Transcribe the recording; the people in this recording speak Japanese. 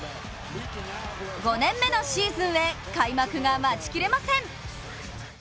５年目のシーズンへ、開幕が待ちきれません。